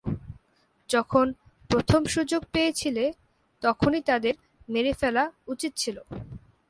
যখন প্রথম সুযোগ পেয়েছিলে তখনি তাদের মেরে ফেলা উচিত ছিল।